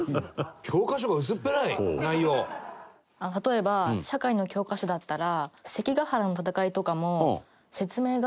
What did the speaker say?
例えば社会の教科書だったら。